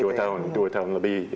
dua tahun dua tahun lebih